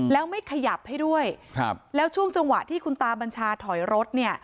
แล้วไม่ขยับให้ด้วยครับแล้วช่วงจังหวะที่คุณตาบัญชาถอยรถเนี่ย